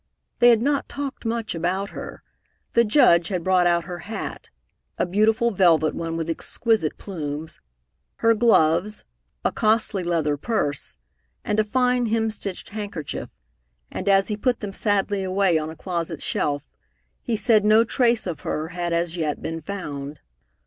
They had not talked much about her. The Judge had brought out her hat a beautiful velvet one, with exquisite plumes her gloves, a costly leather purse, and a fine hemstitched handkerchief, and as he put them sadly away on a closet shelf, he said no trace of her had as yet been found.